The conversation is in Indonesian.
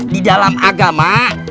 di dalam agama